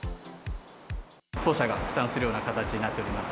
当社が負担するような形になっております。